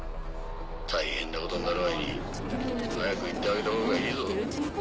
大変なことになる前に早く行ってあげたほうがいいぞ。